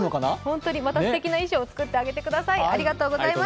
またすてきな衣装を作ってあげてください。